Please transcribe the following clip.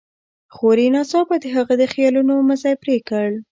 خور يې ناڅاپه د هغه د خيالونو مزی پرې کړ.